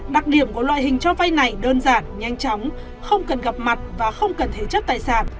đặc điểm của loại hình cho vay này đơn giản nhanh chóng không cần gặp mặt và không cần thế chất tài sản